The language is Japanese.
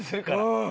うん！